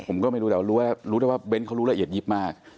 ผมก็ไม่รู้แต่รู้ได้ว่าเน้นเขารู้ละเอียดยิบมาก